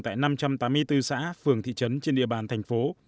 tại năm trăm tám mươi bốn xã phường thị trấn trên địa bàn thành phố